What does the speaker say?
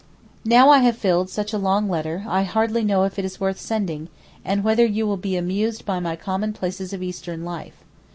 Now I have filled such a long letter I hardly know if it is worth sending, and whether you will be amused by my commonplaces of Eastern life.